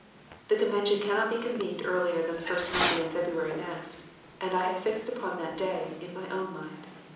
The convention cannot be convened earlier than the first Monday in February next, and I have fixed upon that day (in my own mind).